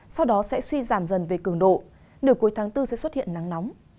sau đó sẽ suy giảm dần về cường độ nửa cuối tháng bốn sẽ xuất hiện nắng nóng